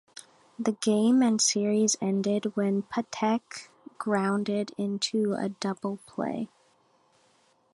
The game and series ended when Patek grounded into a double play.